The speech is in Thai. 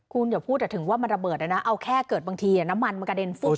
คุณอย่าพูดถึงว่ามันระเบิดเลยนะเอาแค่เกิดบางทีน้ำมันมันกระเด็นฟุบ